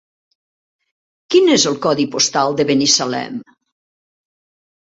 Quin és el codi postal de Binissalem?